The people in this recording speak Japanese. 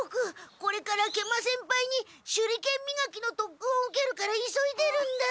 これから食満先輩に手裏剣みがきのとっくんを受けるから急いでるんだ。